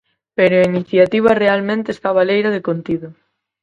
Pero a iniciativa realmente está baleira de contido.